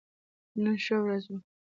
نن ښه ورځ وه